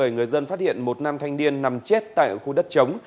người dân phát hiện một nam thanh niên nằm chết tại khu đất chống